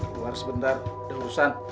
keluar sebentar ada urusan